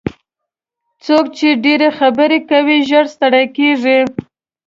څوک چې ډېرې خبرې کوي ژر ستړي کېږي.